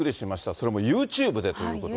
それもユーチューブでということでね。